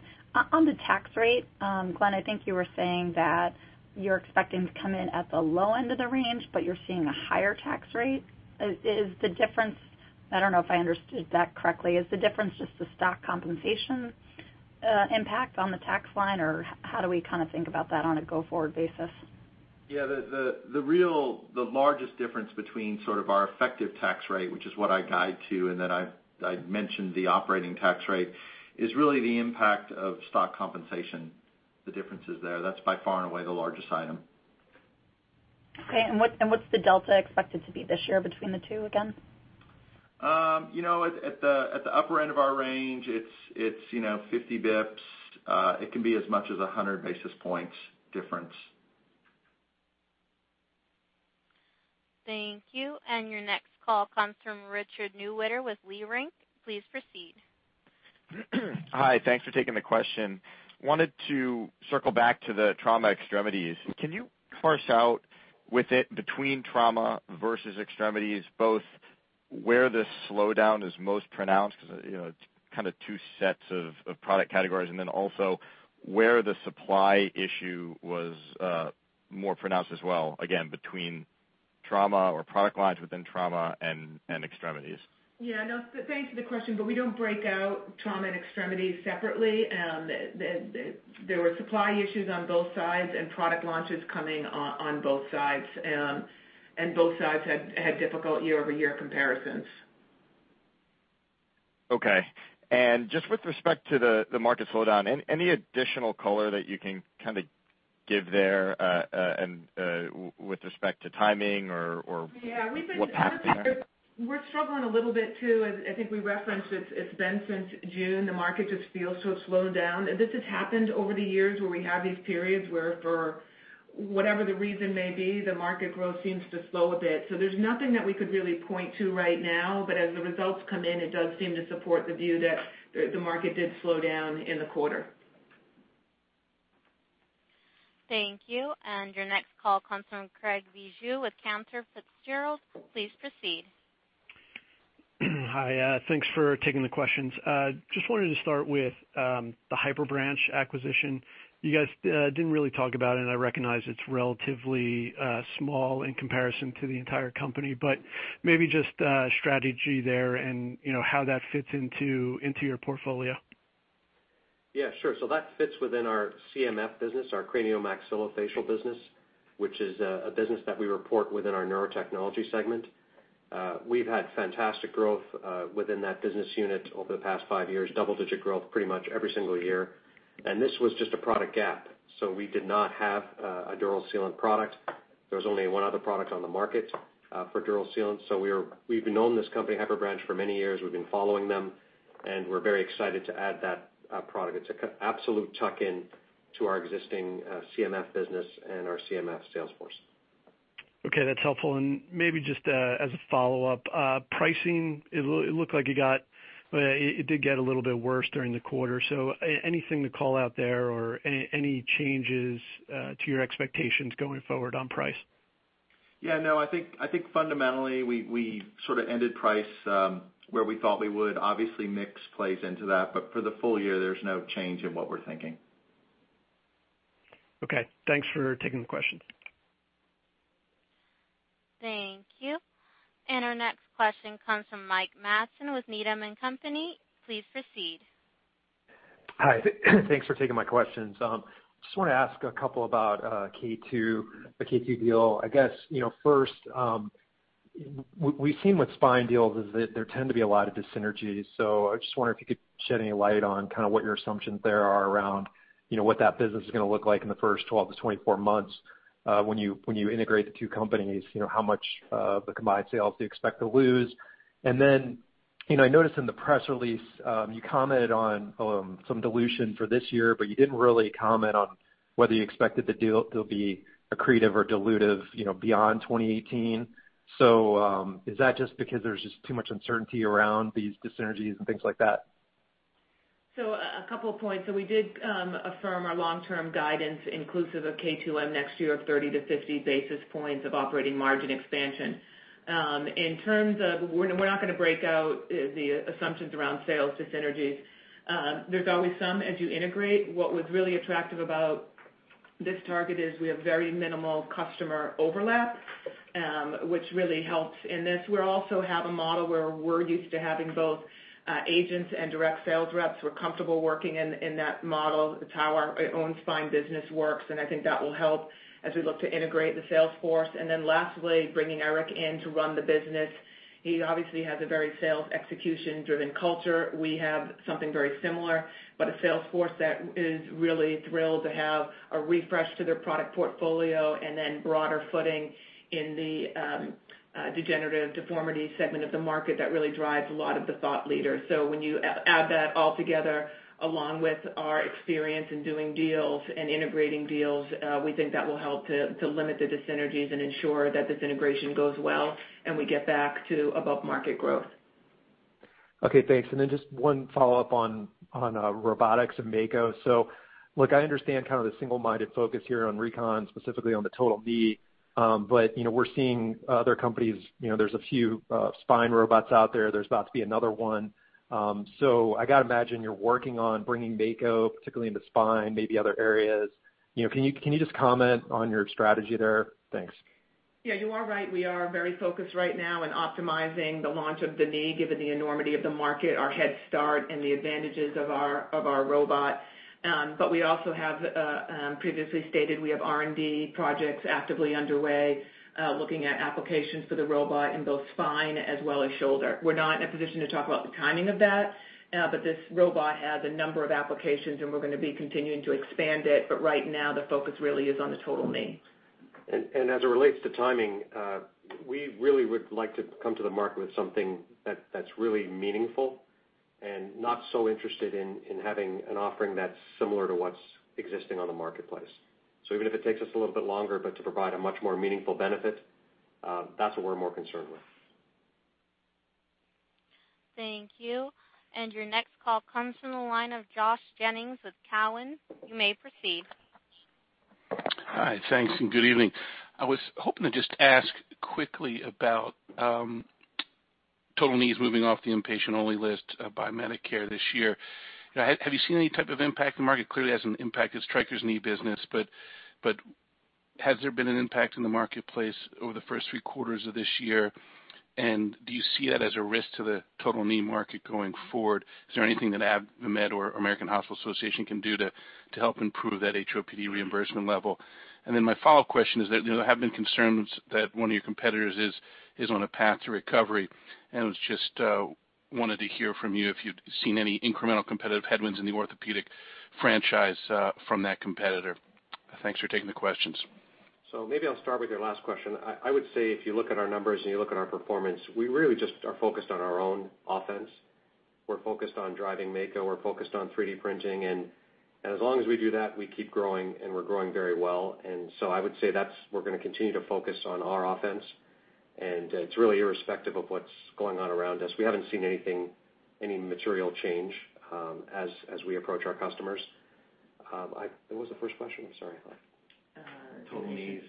On the tax rate, Glenn, I think you were saying that you're expecting to come in at the low end of the range, but you're seeing a higher tax rate. I don't know if I understood that correctly. Is the difference just the stock compensation impact on the tax line, or how do we kind of think about that on a go-forward basis? Yeah, the largest difference between sort of our effective tax rate, which is what I guide to, and then I mentioned the operating tax rate, is really the impact of stock compensation, the differences there. That's by far and away the largest item. Okay, what's the delta expected to be this year between the two again? At the upper end of our range, it's 50 basis points. It can be as much as 100 basis points difference. Thank you. Your next call comes from Richard Newitter with Leerink. Please proceed. Hi. Thanks for taking the question. I wanted to circle back to the trauma extremities. Can you parse out between trauma versus extremities, both where the slowdown is most pronounced, because it's kind of two sets of product categories, and then also where the supply issue was more pronounced as well, again, between trauma or product lines within trauma and extremities. Yeah. No, thanks for the question. We don't break out trauma and extremities separately. There were supply issues on both sides and product launches coming on both sides. Both sides had difficult year-over-year comparisons. Okay. Just with respect to the market slowdown, any additional color that you can give there, with respect to timing or what pattern there? Yeah. We're struggling a little bit, too. I think we referenced it's been since June. The market just feels so slowed down. This has happened over the years where we have these periods where for whatever the reason may be, the market growth seems to slow a bit. There's nothing that we could really point to right now, as the results come in, it does seem to support the view that the market did slow down in the quarter. Thank you. Your next call comes from Craig Bijou with Cantor Fitzgerald. Please proceed. Hi, thanks for taking the questions. Just wanted to start with the HyperBranch acquisition. You guys didn't really talk about it, and I recognize it's relatively small in comparison to the entire company, but maybe just strategy there and how that fits into your portfolio. Yeah, sure. That fits within our CMF business, our cranio-maxillofacial business, which is a business that we report within our Neurotechnology segment. We've had fantastic growth within that business unit over the past five years, double-digit growth pretty much every single year. This was just a product gap, we did not have a dural sealant product. There's only one other product on the market for dural sealant. We've known this company, HyperBranch, for many years. We've been following them, and we're very excited to add that product. It's an absolute tuck-in to our existing CMF business and our CMF sales force. Okay, that's helpful. Maybe just as a follow-up, pricing, it looked like it did get a little bit worse during the quarter. Anything to call out there or any changes to your expectations going forward on price? Yeah, no, I think fundamentally we sort of ended price where we thought we would. Obviously, mix plays into that, but for the full year, there's no change in what we're thinking. Okay. Thanks for taking the questions. Thank you. Our next question comes from Mike Matson with Needham & Company. Please proceed. Hi. Thanks for taking my questions. Just want to ask a couple about the K2 deal. I guess, first, we've seen with spine deals is that there tend to be a lot of dyssynergies. I just wonder if you could shed any light on kind of what your assumptions there are around what that business is going to look like in the first 12-24 months when you integrate the two companies. How much of the combined sales do you expect to lose? Then, I noticed in the press release, you commented on some dilution for this year, but you didn't really comment on whether you expected the deal to be accretive or dilutive beyond 2018. Is that just because there's just too much uncertainty around these dyssynergies and things like that? A couple of points. We did affirm our long-term guidance inclusive of K2M next year of 30-50 basis points of operating margin expansion. In terms of, we're not going to break out the assumptions around sales dyssynergies. There's always some as you integrate. What was really attractive about this target is we have very minimal customer overlap, which really helps in this. We also have a model where we're used to having both agents and direct sales reps. We're comfortable working in that model. It's how our own spine business works, and I think that will help as we look to integrate the sales force. Then lastly, bringing Eric in to run the business. He obviously has a very sales execution-driven culture. We have something very similar, but a sales force that is really thrilled to have a refresh to their product portfolio and broader footing in the degenerative deformity segment of the market that really drives a lot of the thought leaders. When you add that all together, along with our experience in doing deals and integrating deals, we think that will help to limit the dyssynergies and ensure that this integration goes well and we get back to above-market growth. Okay, thanks. Just one follow-up on robotics and Mako. Look, I understand kind of the single-minded focus here on recon, specifically on the total knee. We're seeing other companies, there's a few spine robots out there. There's about to be another one. I got to imagine you're working on bringing Mako, particularly into spine, maybe other areas. Can you just comment on your strategy there? Thanks. Yeah, you are right. We are very focused right now on optimizing the launch of the knee, given the enormity of the market, our head start, and the advantages of our robot. We also have previously stated we have R&D projects actively underway, looking at applications for the robot in both spine as well as shoulder. We're not in a position to talk about the timing of that, this robot has a number of applications, and we're going to be continuing to expand it. Right now, the focus really is on the total knee. As it relates to timing, we really would like to come to the market with something that's really meaningful and not so interested in having an offering that's similar to what's existing on the marketplace. Even if it takes us a little bit longer to provide a much more meaningful benefit, that's what we're more concerned with. Thank you. Your next call comes from the line of Josh Jennings with Cowen. You may proceed. Hi. Thanks, and good evening. I was hoping to just ask quickly about total knees moving off the inpatient-only list by Medicare this year. Have you seen any type of impact? The market clearly hasn't impacted Stryker's knee business. Has there been an impact in the marketplace over the first three quarters of this year? Do you see that as a risk to the total knee market going forward? Is there anything that AdvaMed or American Hospital Association can do to help improve that HOPD reimbursement level? My follow-up question is that there have been concerns that one of your competitors is on a path to recovery, and I just wanted to hear from you if you'd seen any incremental competitive headwinds in the orthopedic franchise from that competitor. Thanks for taking the questions. Maybe I'll start with your last question. I would say if you look at our numbers, and you look at our performance, we really just are focused on our own offense. We're focused on driving Mako, we're focused on 3D printing. As long as we do that, we keep growing, and we're growing very well. I would say we're going to continue to focus on our offense, and it's really irrespective of what's going on around us. We haven't seen any material change as we approach our customers. What was the first question? I'm sorry. Total knees.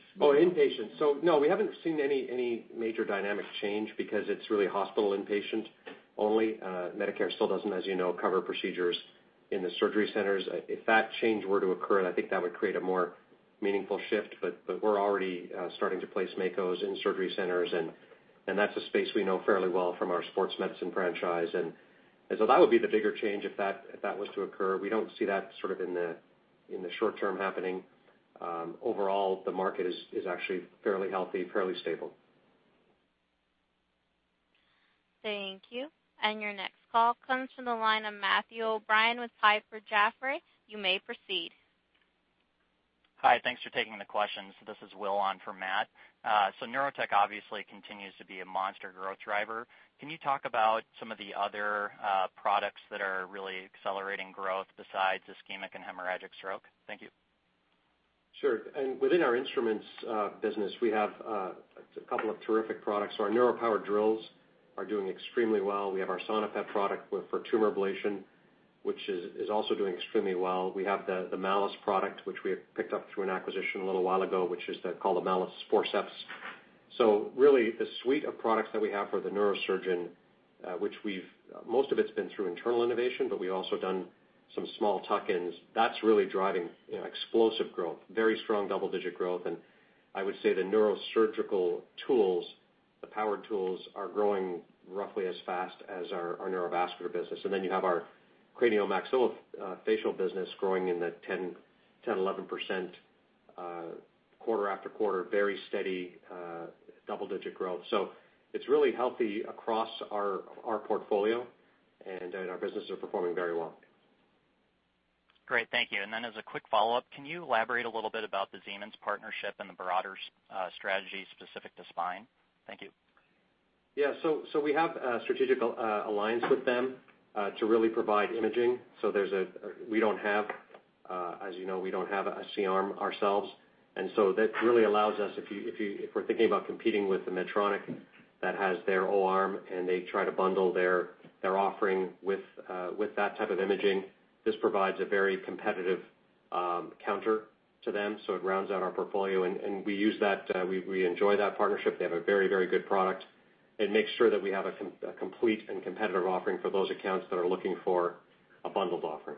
No, we haven't seen any major dynamic change because it's really hospital inpatient only. Medicare still doesn't, as you know, cover procedures in the surgery centers. If that change were to occur, then I think that would create a more meaningful shift. But we're already starting to place Makos in surgery centers, and that's a space we know fairly well from our sports medicine franchise. That would be the bigger change if that was to occur. We don't see that sort of in the short term happening. Overall, the market is actually fairly healthy, fairly stable. Thank you. Your next call comes from the line of Matthew O'Brien with Piper Jaffray. You may proceed. Hi. Thanks for taking the questions. This is Will on for Matt. Neurotech obviously continues to be a monster growth driver. Can you talk about some of the other products that are really accelerating growth besides ischemic and hemorrhagic stroke? Thank you. Sure. Within our instruments business, we have a couple of terrific products. Our neuro powered drills are doing extremely well. We have our SonoPet product for tumor ablation, which is also doing extremely well. We have the Malis product, which we have picked up through an acquisition a little while ago, which is called a Malis forceps. Really, the suite of products that we have for the neurosurgeon, most of it's been through internal innovation, but we've also done some small tuck-ins. That's really driving explosive growth, very strong double-digit growth. I would say the neurosurgical tools, the powered tools, are growing roughly as fast as our neurovascular business. You have our craniomaxillofacial business growing in the 10% to 11% quarter after quarter, very steady, double-digit growth. It's really healthy across our portfolio, and our businesses are performing very well. Great. Thank you. As a quick follow-up, can you elaborate a little bit about the Siemens partnership and the broader strategy specific to spine? Thank you. Yeah. We have a strategic alliance with them, to really provide imaging. We don't have, as you know, we don't have a C-arm ourselves. That really allows us, if we're thinking about competing with the Medtronic that has their O-arm and they try to bundle their offering with that type of imaging, this provides a very competitive counter to them. It rounds out our portfolio, and we use that. We enjoy that partnership. They have a very, very good product. It makes sure that we have a complete and competitive offering for those accounts that are looking for a bundled offering.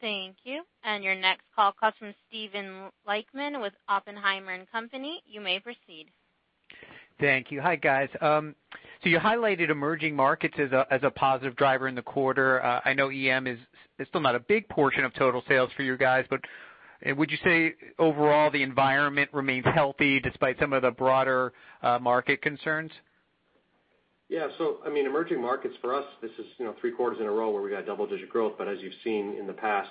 Thank you. Your next call comes from Steven Lichtman with Oppenheimer & Co.. You may proceed. Thank you. Hi, guys. You highlighted emerging markets as a positive driver in the quarter. I know EM is still not a big portion of total sales for your guys, but would you say overall the environment remains healthy despite some of the broader market concerns? Yeah. Emerging markets for us, this is three quarters in a row where we got double-digit growth, but as you've seen in the past,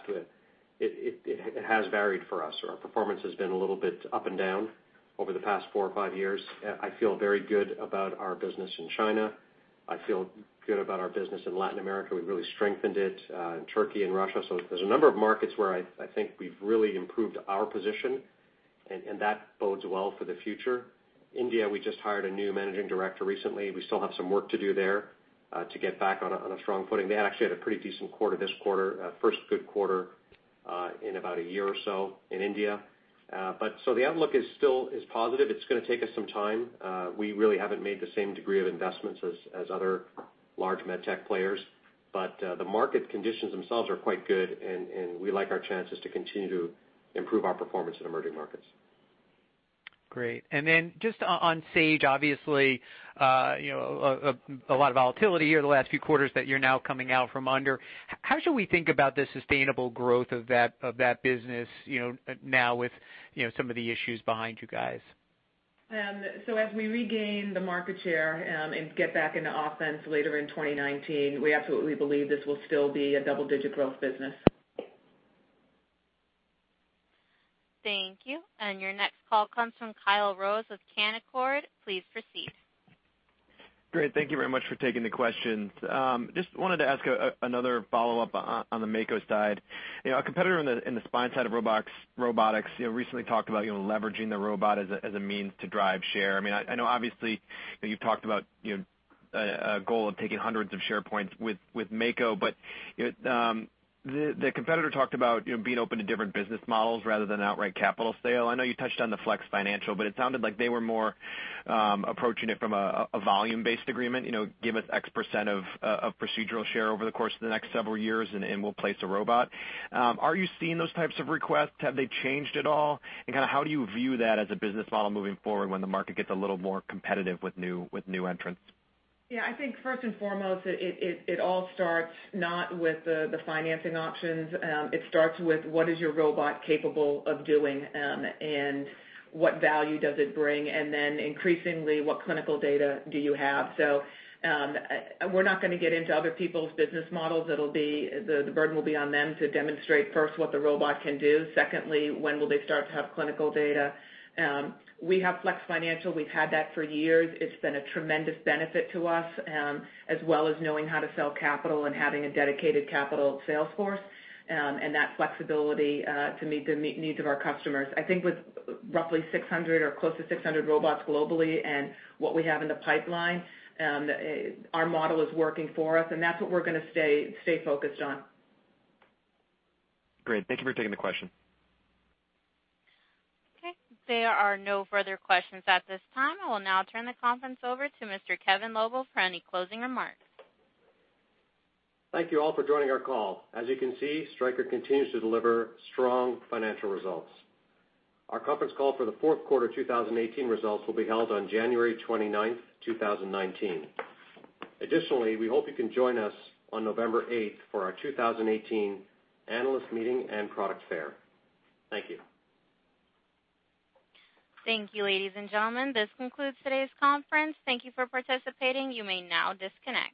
it has varied for us, or our performance has been a little bit up and down over the past four or five years. I feel very good about our business in China. I feel good about our business in Latin America. We've really strengthened it in Turkey and Russia. There's a number of markets where I think we've really improved our position, and that bodes well for the future. India, we just hired a new managing director recently. We still have some work to do there, to get back on a strong footing. They actually had a pretty decent quarter this quarter, first good quarter in about a year or so in India. The outlook is still positive. It's going to take us some time. We really haven't made the same degree of investments as other large med tech players, the market conditions themselves are quite good, and we like our chances to continue to improve our performance in emerging markets. Great. Just on Sage, obviously, a lot of volatility over the last few quarters that you're now coming out from under. How should we think about the sustainable growth of that business now with some of the issues behind you guys? As we regain the market share and get back into offense later in 2019, we absolutely believe this will still be a double-digit growth business. Thank you. Your next call comes from Kyle Rose with Canaccord. Please proceed. Great. Thank you very much for taking the questions. Just wanted to ask another follow-up on the Mako side. A competitor in the spine side of robotics recently talked about leveraging the robot as a means to drive share. I know obviously you've talked about a goal of taking hundreds of share points with Mako, but the competitor talked about being open to different business models rather than outright capital sale. I know you touched on the Flex Financial, but it sounded like they were more approaching it from a volume-based agreement. Give us X% of procedural share over the course of the next several years, and we'll place a robot. Are you seeing those types of requests? Have they changed at all? Kind of how do you view that as a business model moving forward when the market gets a little more competitive with new entrants? Yeah, I think first and foremost, it all starts not with the financing options. It starts with what is your robot capable of doing, and what value does it bring? Then increasingly, what clinical data do you have? We're not going to get into other people's business models. The burden will be on them to demonstrate first what the robot can do. Secondly, when will they start to have clinical data? We have Flex Financial. We've had that for years. It's been a tremendous benefit to us, as well as knowing how to sell capital and having a dedicated capital sales force, and that flexibility to meet the needs of our customers. I think with roughly 600 or close to 600 robots globally and what we have in the pipeline, our model is working for us, and that's what we're going to stay focused on. Great. Thank you for taking the question. Okay. There are no further questions at this time. I will now turn the conference over to Mr. Kevin Lobo for any closing remarks. Thank you all for joining our call. As you can see, Stryker continues to deliver strong financial results. Our conference call for the fourth quarter 2018 results will be held on January 29th, 2019. Additionally, we hope you can join us on November 8th for our 2018 analyst meeting and product fair. Thank you. Thank you, ladies and gentlemen. This concludes today's conference. Thank you for participating. You may now disconnect.